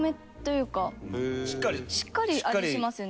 しっかり味しますよね？